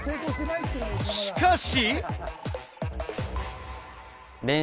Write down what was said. しかし。